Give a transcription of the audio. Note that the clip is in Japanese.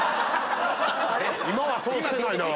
今は損してないな。